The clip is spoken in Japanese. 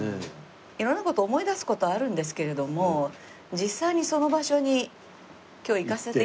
色んな事思い出す事はあるんですけれども実際にその場所に今日行かせて頂いたじゃない？